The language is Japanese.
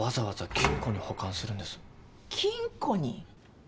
金庫に？